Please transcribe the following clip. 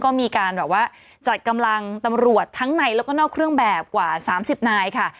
ก็มีการแบบว่าจัดกำลังตำรวจทั้งในแล้วก็นอกเครื่องแบบกว่า๓๐นายค่ะ